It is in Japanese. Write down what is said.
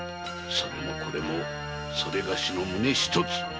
それもこれもそれがしの胸一つ。